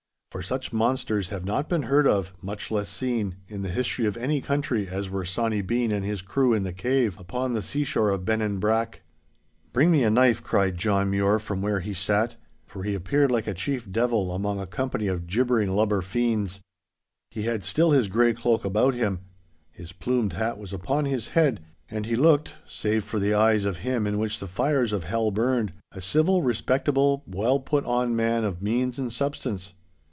For such monsters have not been heard of, much less seen, in the history of any country as were Sawny Bean and his crew in the cave upon the seashore of Bennanbrack. 'Bring me a knife,' cried John Mure from where he sat, for he appeared like a chief devil among a company of gibbering lubber fiends. He had still his grey cloak about him. His plumed hat was upon his head, and he looked, save for the eyes of him in which the fires of hell burned, a civil, respectable, well put on man of means and substance.